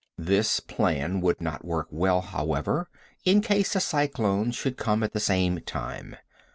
This plan would not work well, however, in case a cyclone should come at the same time.